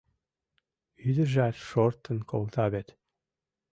Ӱдыржат шортын колта вет.